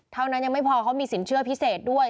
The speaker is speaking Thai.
เท่านั้นยังไม่พอเขามีสินเชื่อพิเศษด้วย